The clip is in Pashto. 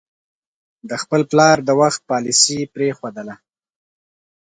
د خپل پلار د وخت پالیسي پرېښودله.